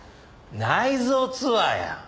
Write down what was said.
内臓ツアーや。